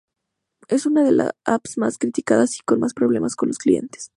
Es una de las app más criticadas y con más problemas con los clientes.